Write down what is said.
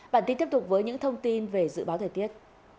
bản tin tiếp tục với những thông tin về dự báo thời tiết